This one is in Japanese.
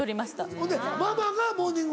ほんでママがモーニング娘。